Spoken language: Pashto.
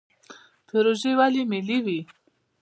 پروژې ولې ملي وي؟